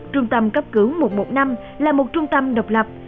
trung tâm cấp cứu một một năm là một trung tâm độc lập